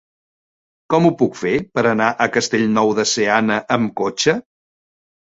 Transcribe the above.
Com ho puc fer per anar a Castellnou de Seana amb cotxe?